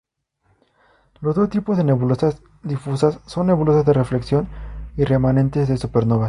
Los dos tipos de nebulosas difusas son nebulosas de reflexión, y remanentes de supernovas.